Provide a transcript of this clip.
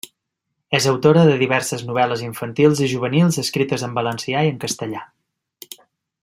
És autora de diverses novel·les infantils i juvenils escrites en valencià i en castellà.